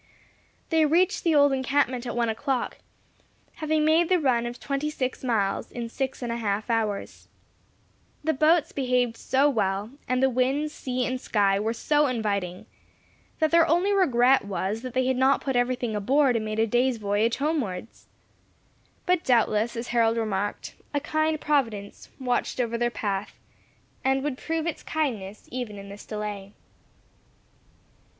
They reached the old encampment at one o'clock, having made the run of twenty six miles in six and a half hours. The boats behaved so well, and the winds, sea, and sky were so inviting, that their only regret was, that they had not put everything aboard and made a day's voyage homewards. But doubtless, as Harold remarked, a kind Providence watched over their path, and would prove its kindness even in this delay.